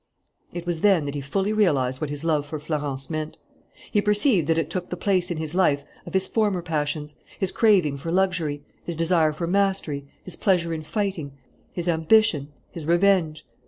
It was then that he fully realized what his love for Florence meant. He perceived that it took the place in his life of his former passions, his craving for luxury, his desire for mastery, his pleasure in fighting, his ambition, his revenge.